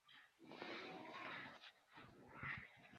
现时为无线电视力捧新晋小生之一。